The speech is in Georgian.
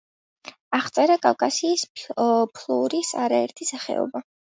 აღწერა კავკასიის ფლორის არაერთი სახეობა.